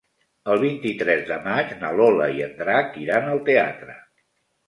El vint-i-tres de maig na Lola i en Drac iran al teatre.